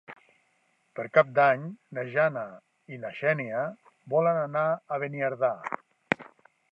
Per Cap d'Any na Jana i na Xènia volen anar a Beniardà.